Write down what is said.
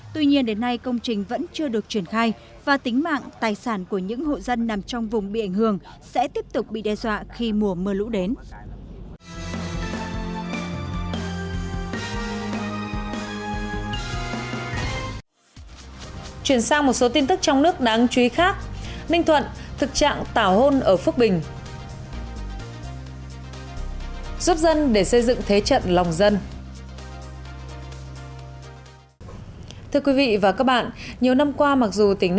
tuy nhiên đến nay công trình vẫn chưa được truyền khai và tính mạng tài sản của những hộ dân nằm trong vùng bị ảnh hưởng sẽ tiếp tục bị đe dọa khi mùa mưa lũ đến